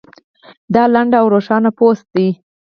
دا لنډ او روښانه پوسټ دی